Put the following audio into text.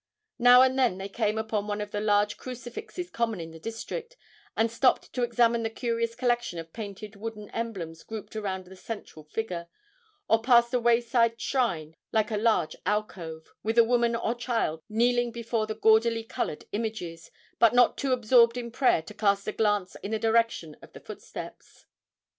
Now and then they came upon one of the large crucifixes common in the district, and stopped to examine the curious collection of painted wooden emblems grouped around the central figure, or passed a wayside shrine like a large alcove, with a woman or child kneeling before the gaudily coloured images, but not too absorbed in prayer to cast a glance in the direction of the footsteps.